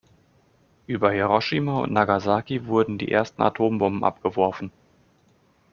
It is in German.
Über Hiroshima und Nagasaki wurden die ersten Atombomben abgeworfen.